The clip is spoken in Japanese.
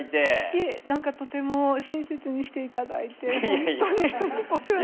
いえ何かとても親切にしていただいて本当にお世話になっております。